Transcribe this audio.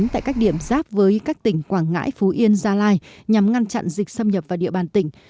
tại các điểm giáp với các tỉnh quảng ngãi phú yên gia lai nhằm ngăn chặn dịch xâm nhập vào địa bàn tỉnh